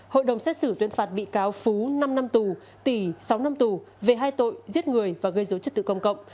hội đồng xét xử tuyên phạt bị cáo phú năm năm tù tỷ sáu năm tù về hai tội giết người và gây dối trật tự công cộng